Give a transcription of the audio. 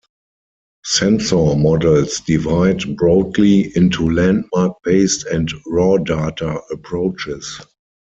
Sensor models divide broadly into landmark-based and raw-data approaches.